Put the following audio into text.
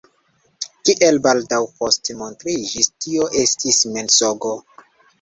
Kiel baldaŭ poste montriĝis, tio estis mensogo.